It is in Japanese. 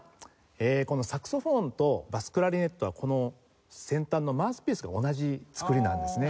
このサクソフォンとバスクラリネットはこの先端のマウスピースが同じ作りなんですね。